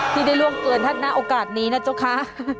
ที่ได้ล่วงเกลือนท่านณโอกาสนี้นะเจ้าค้า